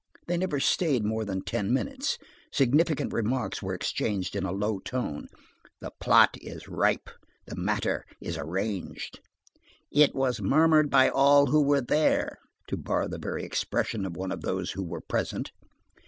They never stayed more than ten minutes. Significant remarks were exchanged in a low tone: "The plot is ripe, the matter is arranged." "It was murmured by all who were there," to borrow the very expression of one of those who were present.